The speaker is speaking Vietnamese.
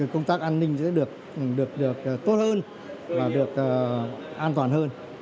công tác an ninh sẽ được tốt hơn và được an toàn hơn